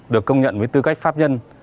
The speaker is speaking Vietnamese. được công nhận với tư cách pháp nhân